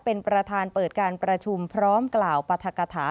เป็นประธานเปิดการประชุมพร้อมกล่าวปรัฐกฐา